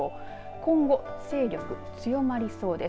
今後、勢力強まりそうです。